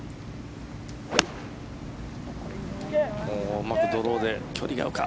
うまくドローで距離が合うか。